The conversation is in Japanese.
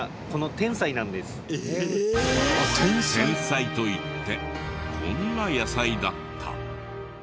テンサイといってこんな野菜だった。